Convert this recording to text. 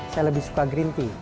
saya lebih suka green tea